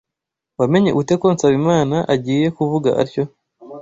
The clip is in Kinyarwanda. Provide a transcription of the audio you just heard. Wamenye ute ko Nsabimana agiye kuvuga atyo?